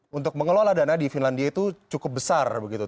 karena untuk mengelola dana di finlandia itu cukup besar begitu